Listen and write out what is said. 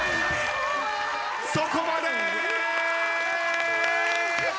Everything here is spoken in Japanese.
そこまで！